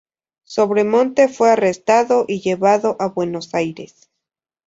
Sobremonte fue arrestado y llevado a Buenos Aires.